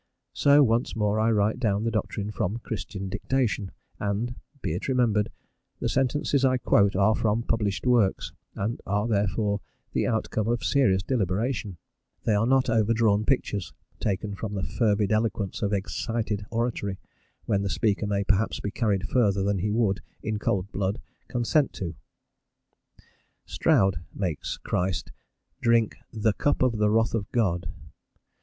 So once more I write down the doctrine from Christian dictation, and, be it remembered, the sentences I quote are from published works, and are therefore, the outcome of serious deliberation; they are not overdrawn pictures taken from the fervid eloquence of excited oratory, when the speaker may perhaps be carried further than he would, in cold blood, consent to. Stroud makes Christ drink "the cup of the wrath of God."